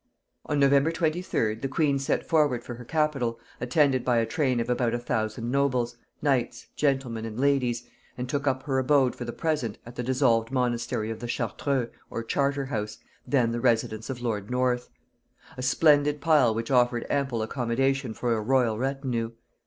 On November 23d the queen set forward for her capital, attended by a train of about a thousand nobles, knights, gentlemen, and ladies, and took up her abode for the present at the dissolved monastery of the Chartreux, or Charterhouse, then the residence of lord North; a splendid pile which offered ample accommodation for a royal retinue.